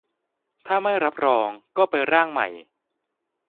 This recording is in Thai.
ถ้าไม่รับรอง ก็ไปร่างใหม่